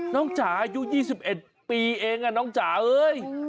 จ๋าอายุ๒๑ปีเองน้องจ๋าเอ้ย